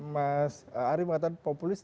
mas ari mengatakan populis